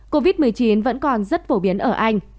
covid một mươi chín vẫn còn rất phổ biến ở anh